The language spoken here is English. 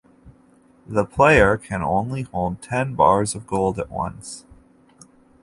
The player can only hold ten bars of gold at once.